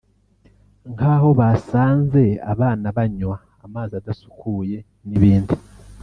nk’aho basanze abana banywa amazi adasukuye n’ibindi